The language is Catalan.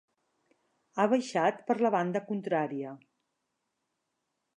Ha baixat per la banda contrària.